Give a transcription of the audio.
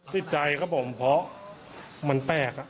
ติดใจครับผมเพราะมันแปลก